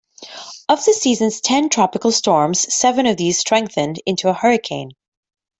Of the season's ten tropical storms, seven of those strengthened into a hurricane.